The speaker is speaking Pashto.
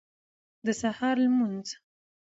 د سهار لمونځ